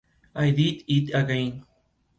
Habita en Chad.